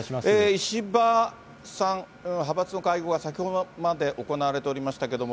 石破さん、派閥の会合は先ほどまで行われておりましたけれども、